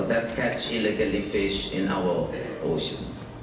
yang tidak bisa diangkat di laut kita